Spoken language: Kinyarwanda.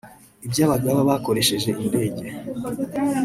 ibyo bagaba bakoresheje indege